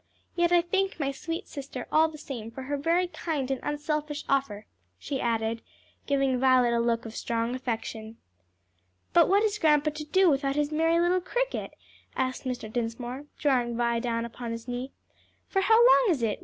Yet I thank my sweet sister all the same for her very kind and unselfish offer," she added, giving Violet a look of strong affection. "But what is grandpa to do without his merry little cricket?" asked Mr. Dinsmore, drawing Vi down upon his knee. "For how long is it?